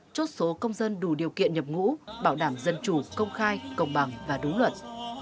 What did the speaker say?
chốt số công dân đủ điều kiện nhập ngũ bảo đảm dân chủ công khai công bằng và đúng luật